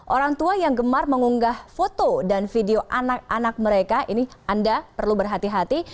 orang tua yang gemar mengunggah foto dan video anak anak mereka ini anda perlu berhati hati